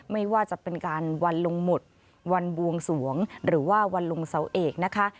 ไม่ว่าจะเป็นการวันลงหมุดวันบวงสวงหรือว่าวันลงเสาเอกนะคะ